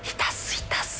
いたっす。